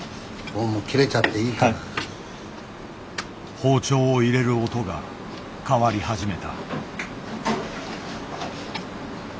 包丁を入れる音が変わり始めた。